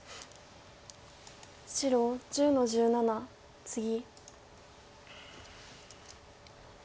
白１０の十七ツギ。